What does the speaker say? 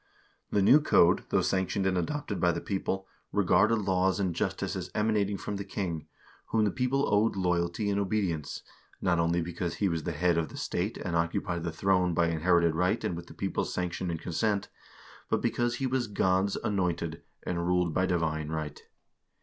The new code, though sanctioned and adopted by the people, regarded laws and justice as emanating from the king, whom the people owed loyalty and obedience, not only because he was the head of the state and occupied the throne by inherited right and with the people's sanction and consent, but because he was God's anointed, and ruled by divine right.